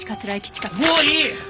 もういい！